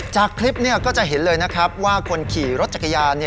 จากคลิปก็จะเห็นเลยนะครับว่าคนขี่รถจักรยาน